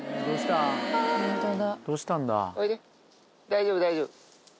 大丈夫、大丈夫。